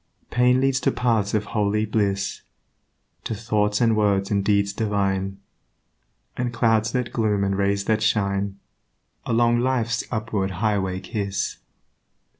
Pain leads to paths of holy bliss, To thoughts and words and deeds divine , And clouds that gloom and rays that shine, Along life's upward highway kiss.